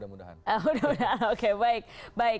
udah mudahan oke baik